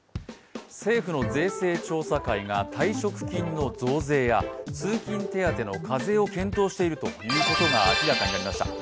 政府の税制調査会が退職金の増税や通勤手当の課税を検討していることが明らかになりました。